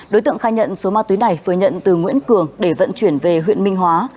đối tượng khai nhận số ma túy này phơi nhận từ nguyễn cường để vận chuyển về huyện minh hóa